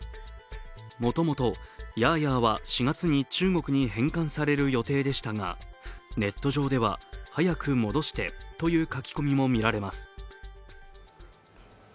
もともとヤーヤーは４月に中国に返還される予定でしたが、ネット上では早く戻してという書き込みも見られます。